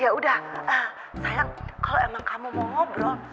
ya udah sayang kalau emang kamu mau ngobrol